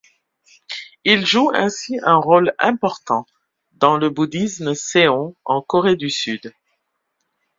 Il joue ainsi un rôle important dans le bouddhisme seon en Corée du Sud.